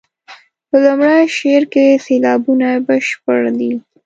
په لومړي شعر کې سېلابونه بشپړ دي.